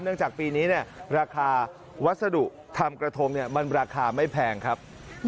เนื่องจากปีนี้เนี่ยราคาวัสดุทำกระทงเนี่ยมันราคาไม่แพงครับ